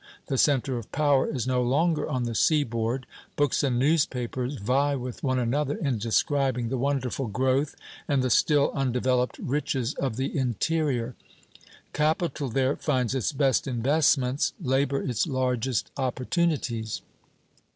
The centre of power is no longer on the seaboard. Books and newspapers vie with one another in describing the wonderful growth, and the still undeveloped riches, of the interior. Capital there finds its best investments, labor its largest opportunities.